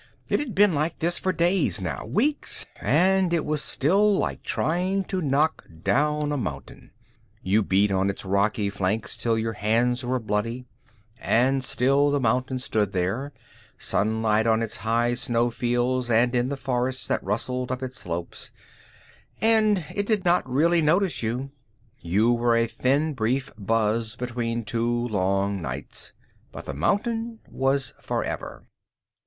It had been like this for days now, weeks, and it was like trying to knock down a mountain. You beat on its rocky flanks till your hands were bloody, and still the mountain stood there, sunlight on its high snow fields and in the forests that rustled up its slopes, and it did not really notice you. You were a brief thin buzz between two long nights, but the mountain was forever.